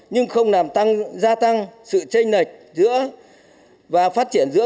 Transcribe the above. nhưng không làm tăng gia tăng sự tranh lệch giữa và phát triển giữa